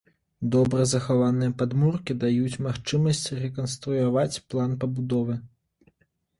Добра захаваныя падмуркі даюць магчымасць рэканструяваць план пабудовы.